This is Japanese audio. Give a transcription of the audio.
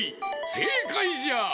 せいかいじゃ！